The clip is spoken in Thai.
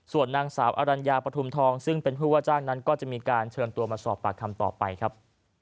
ส่วนนางสาวอรัญญาปฐุมทองซึ่งเป็นผู้ว่าจ้างนั้นก็จะมีการเชิญตัวมาสอบปากคำต่อไปครับ